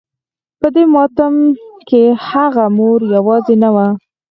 په دې ماتم کې هغه مور يوازې نه وه.